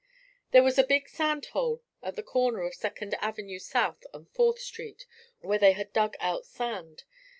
There was a big sand hole at the corner of Second Avenue South and Fourth Street where they had dug out sand.